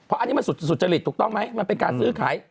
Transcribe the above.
เพราะอันนี้มันสุจริตถูกต้องไหมมันเป็นการซื้อขาย